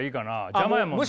邪魔やもんな。